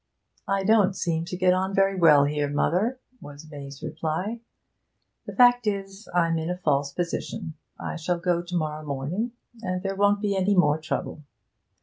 'I don't seem to get on very well here, mother,' was May's reply. 'The fact is, I'm in a false position. I shall go to morrow morning, and there won't be any more trouble.'